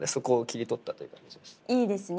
いいですね。